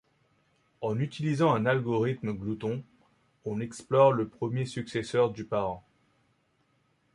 En utilisant un algorithme glouton, on explore le premier successeur du parent.